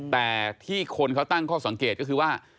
แต่ที่คนเขาตั้งข้อสังเกตก็คือว่า